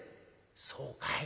「そうかい？